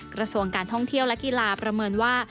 กระทรวงการท่องเที่ยวและกีฬาประเมินว่า